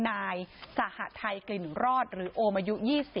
นายสหทัยกลิ่นรอดหรือโอมอายุ๒๐